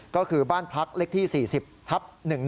ก็คือบ้านพักเล็กที่๔๐ทับ๑๑